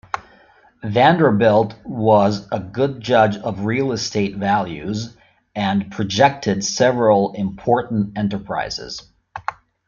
Vanderbilt was a good judge of real estate values and projected several important enterprises.